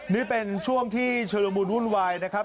นี่เป็นช่วงที่ชุลมุนวุ่นวายนะครับ